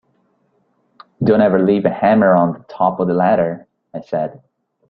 Don’t ever leave your hammer on the top of the ladder, I said.